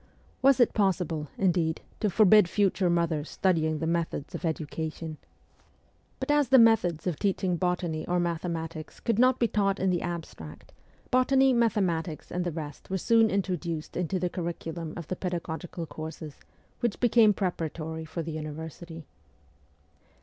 Was it possible, indeed, to forbid future mothers studying the methods of education? But as the 42 MEMOIRS OF A REVOLUTIONIST methods of teaching botany or mathematics could not be taught in the abstract, botany, mathematics, and the rest were soon introduced into the curriculum of the pedagogical courses, which became preparatory for the university.